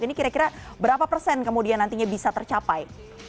ini kira kira berapa persen kemudian nantinya bisa tercapai